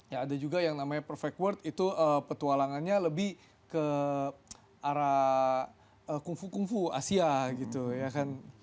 ya ada juga yang namanya perfect world itu petualangannya lebih ke arah kungfu kungfu asia gitu ya kan